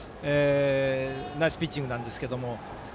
ナイスピッチングなんですけども。